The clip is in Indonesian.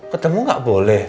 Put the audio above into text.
ketemu gak boleh